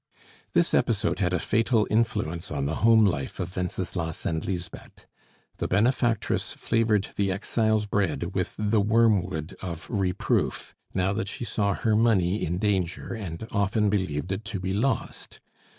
This episode had a fatal influence on the home life of Wenceslas and Lisbeth. The benefactress flavored the exile's bread with the wormwood of reproof, now that she saw her money in danger, and often believed it to be lost.